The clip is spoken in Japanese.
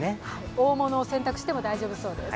大物を選択しても大丈夫そうです。